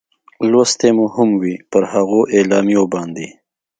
لوستې مو هم وې، پر هغو اعلامیو باندې.